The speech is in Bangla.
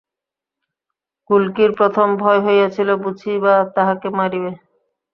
গুলকীর প্রথম ভয় হইয়াছিল বুঝি বা তাহাকে মারিবে!